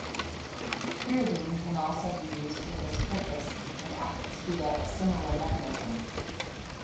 Pyridine can also be used for this purpose, and acts via a similar mechanism.